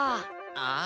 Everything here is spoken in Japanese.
ああ。